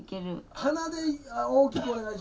鼻で大きくお願いします。